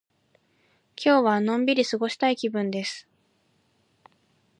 今日はのんびり過ごしたい気分です。